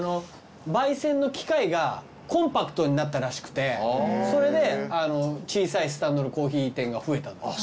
ばい煎の機械がコンパクトになったらしくてそれで小さいスタンドのコーヒー店が増えたの。